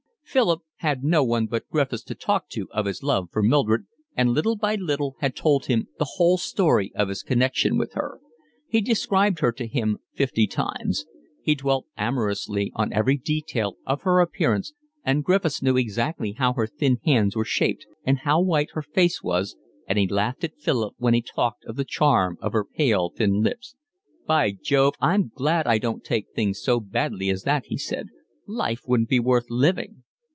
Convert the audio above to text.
Philip had no one but Griffiths to talk to of his love for Mildred, and little by little had told him the whole story of his connection with her. He described her to him fifty times. He dwelt amorously on every detail of her appearance, and Griffiths knew exactly how her thin hands were shaped and how white her face was, and he laughed at Philip when he talked of the charm of her pale, thin lips. "By Jove, I'm glad I don't take things so badly as that," he said. "Life wouldn't be worth living."